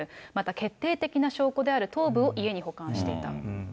また決定的な証拠である頭部を家に保管していた。